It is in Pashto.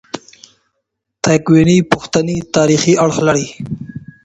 تکویني پوښتنې تاریخي اړخ لري.